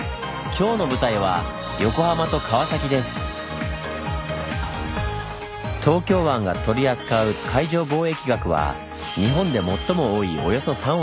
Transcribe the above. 今日の舞台は東京湾が取り扱う海上貿易額は日本で最も多いおよそ３割。